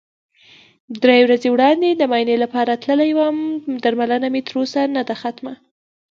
درې ورځې وړاندې د معاینې لپاره تللی وم، درملنه مې تر اوسه نده ختمه.